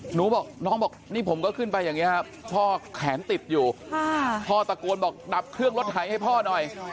หนูบอกเนี่ยนี่ผมก็ขึ้นไปอ่ะพ่อแขนติดอยู่พ่อตะโกนบอกดับเครื่องรถไถให้พ่อหน่อย